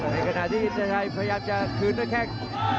ในขณะที่อินเตอร์ชัยพยายามจะคืนด้วยแข้ง